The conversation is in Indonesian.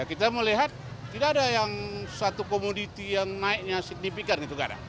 kita melihat tidak ada yang satu komoditi yang naiknya signifikan